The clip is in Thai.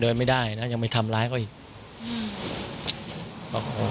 โดยไม่ได้ยังไม่ทำร้ายเขาอีก